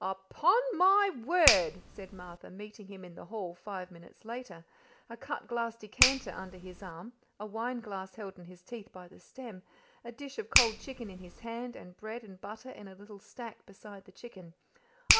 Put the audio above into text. "Up_on_ my word!" said Martha, meeting him in the hall five minutes later, a cut glass decanter under his arm, a wineglass held in his teeth by the stem, a dish of cold chicken in his hand, and bread and butter in a little stack beside the chicken.